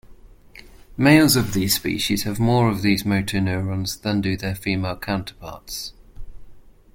Males of these species have more of these motoneurons than do their female counterparts.